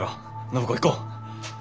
暢子行こう！